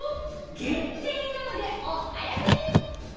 限定なのでお早めに！